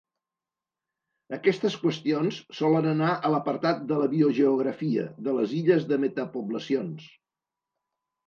Aquestes qüestions solen anar a l'apartat de la biogeografia de les illes de metapoblacions.